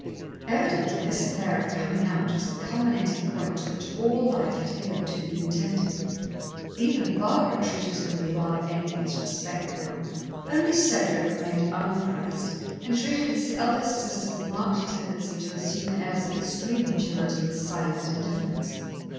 Evidently this affair of coming out was the culminating point to which all life had hitherto been tending. Even Barbara treated her with a rather envious respect now. Only Cedric remained unimpressed, and treated his eldest sister's marked tendency to assume airs of extreme maturity with silent indifference.